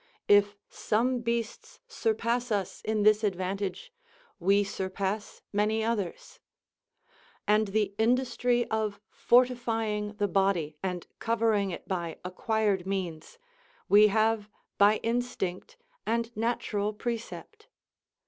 If some beasts surpass us in this advantage, we surpass many others. And the industry of fortifying the body, and covering it by acquired means, we have by instinct and natural precept?